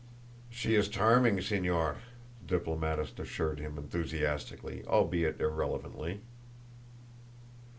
"She is charming, Señor," the diplomatist assured him enthusiastically, albeit irrelevantly.